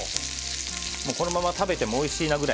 このまま食べてもおいしいなってくらい。